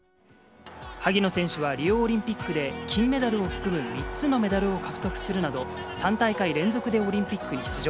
萩野選手はリオオリンピックで、金メダルを含む３つのメダルを獲得するなど、３大会連続でオリンピックに出場。